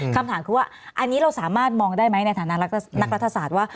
คำถามคือว่าอันนี้เราสามารถมองได้ไหมในฐานะนักรัฐศาสตร์ว่า